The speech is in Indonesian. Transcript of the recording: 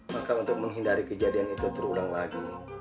maka untuk menghindari kejadian itu terulang lagi